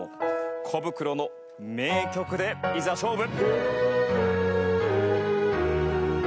コブクロの名曲でいざ勝負。